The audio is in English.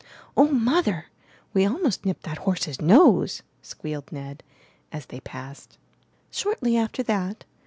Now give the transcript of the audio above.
"Oh, Mother, we almost nipped that horse's nose!" squealed Ned, as they passed. Shortly after that.